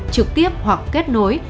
trực tiếp hoặc kết nối